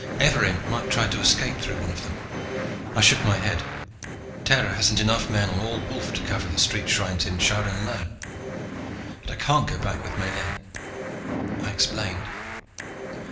Evarin might try to escape through one of them." I shook my head. "Terra hasn't enough men on all Wolf to cover the street shrines in Charin alone. And I can't go back with Miellyn." I explained.